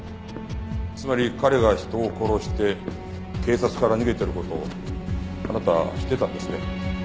つまり彼が人を殺して警察から逃げてる事をあなた知ってたんですね？